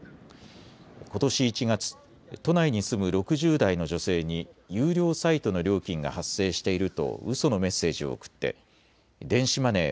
ことし１月、都内に住む６０代の女性に有料サイトの料金が発生していると、うそのメッセージを送って電子マネー